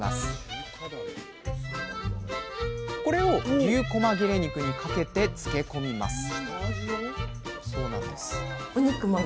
これを牛こま切れ肉にかけて漬け込みます